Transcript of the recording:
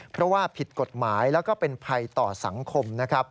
เพราะว่าผิดกฎหมายและเป็นภัยต่อสังคม